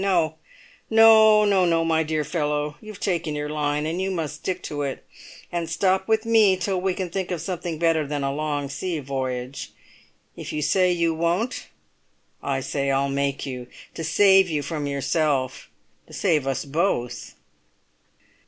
No, no, my fellow; you've taken your line, and you must stick to it, and stop with me till we can think of something better than a long sea voyage. If you say you won't, I say I'll make you—to save you from yourself—to save us both."